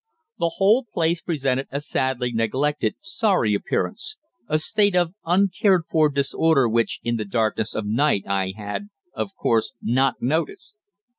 The whole place presented a sadly neglected, sorry appearance a state of uncared for disorder which, in the darkness of night, I had, of course, not noticed.